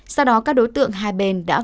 sau đó các đối tượng hai bên đã góp